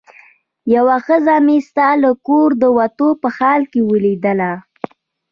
یوه ښځه مې ستا له کوره د وتو په حال کې ولیدله.